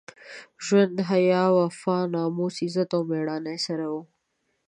ژوند له حیا، وفا، ناموس، عزت او مېړانې سره وو.